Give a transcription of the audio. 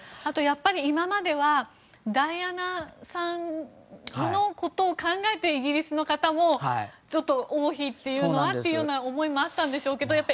やっぱり今まではダイアナさんのことを考えてイギリスの方も、ちょっと王妃っていうのはっていう思いもあったんでしょうけど